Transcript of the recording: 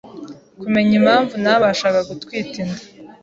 kumenya impamvu ntabashaga gutwita inda